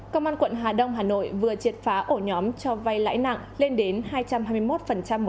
công an quận hà đông hà nội vừa triệt phá ổ nhóm cho vay lãi nặng lên đến hai trăm hai mươi một một năm